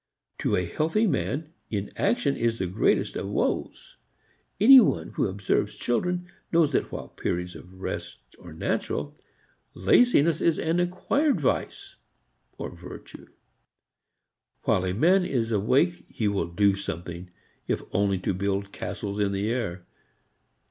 To a healthy man inaction is the greatest of woes. Any one who observes children knows that while periods of rest are natural, laziness is an acquired vice or virtue. While a man is awake he will do something, if only to build castles in the air.